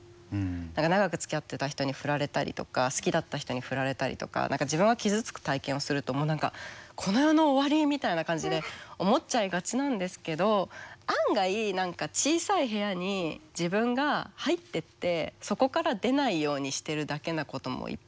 長くつきあってた人に振られたりとか好きだった人に振られたりとか何か自分が傷つく体験をするともう何かこの世の終わりみたいな感じで思っちゃいがちなんですけど案外何か小さい部屋に自分が入ってってそこから出ないようにしてるだけなこともいっぱいあって。